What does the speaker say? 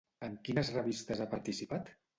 En quines revistes ha participat?